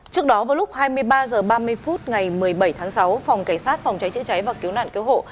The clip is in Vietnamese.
trước đó vào lúc hai mươi ba h ba mươi phút ngày một mươi bảy tháng sáu phòng cảnh sát phòng cháy chữa cháy và cứu nạn cứu hộ